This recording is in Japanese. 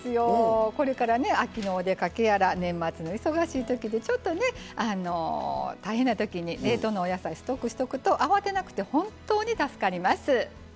これから秋のお出かけやら年末の忙しいときで、ちょっと大変なときに冷凍のお野菜をストックしておくと慌てなくて本当に助かります。